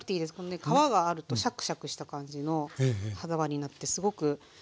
皮があるとシャクシャクした感じの歯触りになってすごくおいしいんですよね。